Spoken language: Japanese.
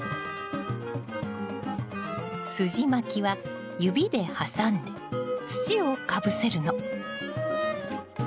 すじまきは指で挟んで土をかぶせるの。